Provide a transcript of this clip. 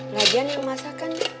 gak jadi masakan